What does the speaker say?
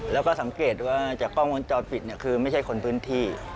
แล้วก็สังเกตว่าจากกล้องวงจรปิดคือไม่ใช่คนพื้นที่